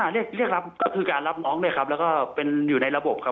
เรียกรับก็คือการรับน้องด้วยครับแล้วก็เป็นอยู่ในระบบครับ